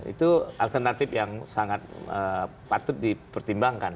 itu alternatif yang sangat patut dipertimbangkan